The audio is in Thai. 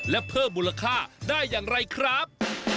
และเพิ่มมูลค่าได้อย่างไรครับ